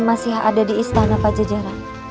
masih ada di istana pajajaran